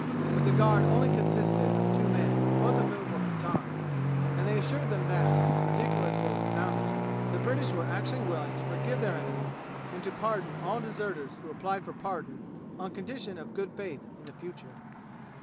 But the guard only consisted of two men, both of whom were Pathans, and they assured them that, ridiculous though it sounded, the British were actually willing to forgive their enemies and to pardon all deserters who applied for pardon on condition of good faith in the future.